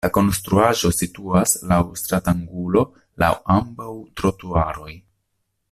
La konstruaĵo situas laŭ stratangulo laŭ ambaŭ trotuaroj.